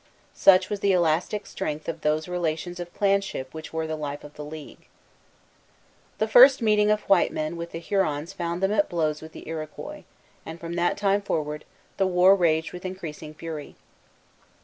Such was the elastic strength of those relations of clanship which were the life of the league. See ante, Introduction. The first meeting of white men with the Hurons found them at blows with the Iroquois; and from that time forward, the war raged with increasing fury.